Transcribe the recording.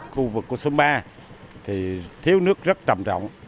khu vực của sông ba thì thiếu nước rất trầm trọng